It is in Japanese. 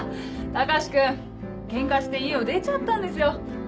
高志君ケンカして家を出ちゃったんですよ。